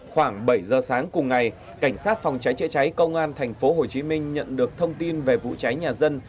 khoảng bảy giờ sáng cùng ngày cảnh sát phòng cháy chữa cháy công an thành phố hồ chí minh nhận được thông tin về vụ cháy nhà dân